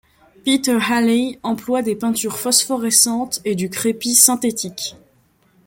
Peter Halley emploie des peintures phosphorescentes et du crépi synthétique.